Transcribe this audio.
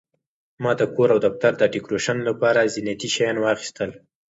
ما د کور او دفتر د ډیکوریشن لپاره زینتي شیان واخیستل.